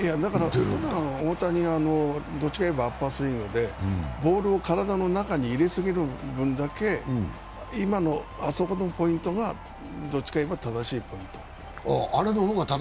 ふだん大谷は、どちらかというとアッパースイングでボールを体の中に入れ過ぎる分だけ今の、あそこのポイントがどちらかといえば正しいポイント。